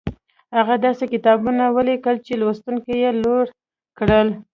هغه داسې کتابونه وليکل چې لوستونکي يې لوړ کړل.